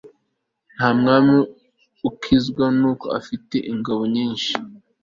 nta mwami ukizwa n'uko afite ingabo nyinshi